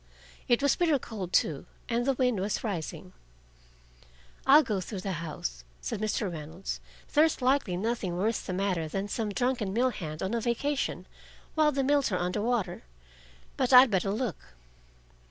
It was bitter cold, too, and the wind was rising. "I'll go through the house," said Mr. Reynolds. "There's likely nothing worse the matter than some drunken mill hand on a vacation while the mills are under water. But I'd better look."